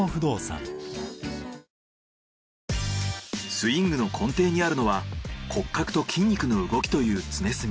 スイングの根底にあるのは骨格と筋肉の動きという常住。